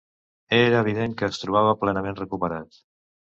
Era evident que es trobava plenament recuperat.